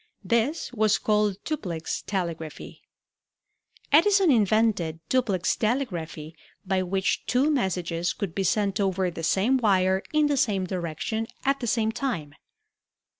This was called duplex telegraphy. Edison invented duplex telegraphy by which two messages could be sent over the same wire in the same direction at the same time.